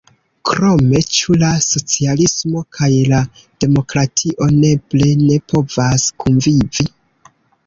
Krome, ĉu la socialismo kaj la demokratio nepre ne povas kunvivi?